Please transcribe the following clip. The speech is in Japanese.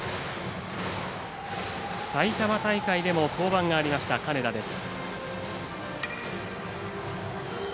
埼玉大会でも登板がありました金田です。